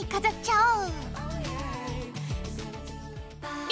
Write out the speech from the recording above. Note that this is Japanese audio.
おう。